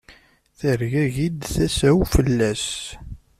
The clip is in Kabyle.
Tergagi-d tasa-w fell-as.